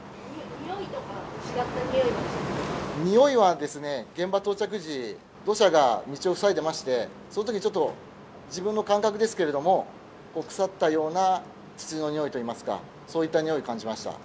においとか、においはですね、現場到着時、土砂が道を塞いでまして、そのときにちょっと、自分の感覚ですけれども、腐ったような土のにおいといいますか、そういったにおいを感じました。